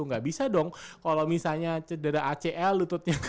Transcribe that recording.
nggak bisa dong kalau misalnya cedera acl lututnya